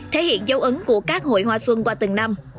thể hiện dấu ấn của các hội hoa xuân qua từng năm